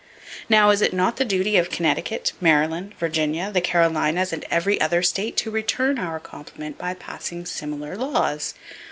Now, is it not the duty of Connecticut, Maryland, Virginia, the Carolinas and every other state to return our compliment by passing similar laws?